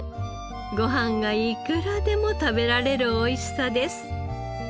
ご飯がいくらでも食べられるおいしさです。